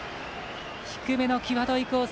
低めの際どいコース